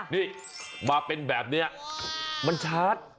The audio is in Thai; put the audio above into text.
นี่มาเป็นแบบเนี่ยมันชัด